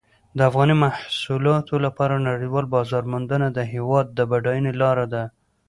د افغاني محصولاتو لپاره نړیوال بازار موندنه د هېواد د بډاینې لاره ده.